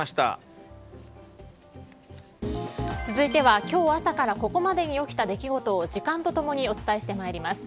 続いては今日朝からここまでに起きた出来事を時間と共にお伝えしてまいります。